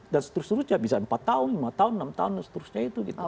dan seterusnya bisa empat tahun lima tahun enam tahun dan seterusnya itu